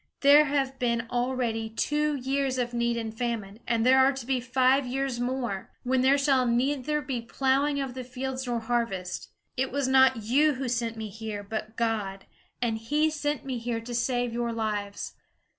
There have been already two years of need and famine, and there are to be five years more, when there shall neither be plowing of the fields nor harvest. It was not you who sent me here, but God; and he sent me to save your lives.